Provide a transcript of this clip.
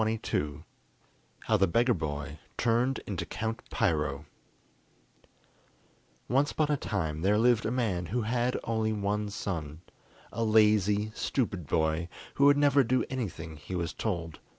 ] How the Beggar Boy Turned into Count Piro Once upon a time there lived a man who had only one son, a lazy, stupid boy, who would never do anything he was told.